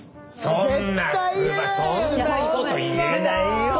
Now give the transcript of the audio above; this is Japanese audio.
そんなそんなこと言えないよ。